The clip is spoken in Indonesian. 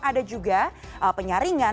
ada juga penyaringan